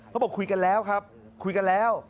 บอกคุยกันแล้วครับคุยกันแล้ว